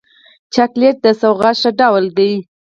چاکلېټ د سوغات ښه ډول دی.